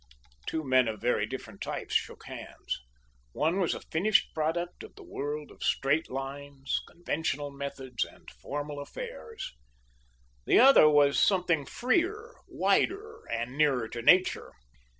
Two men of very different types shook hands. One was a finished product of the world of straight lines, conventional methods, and formal affairs. The other was something freer, wider, and nearer to nature.